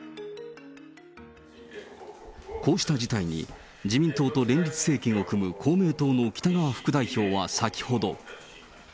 こうした事態に、自民党と連立政権を組む公明党の北側副代表は先ほど。